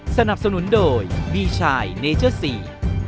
สนับสนุนโดยบีชายเนเจอร์ซี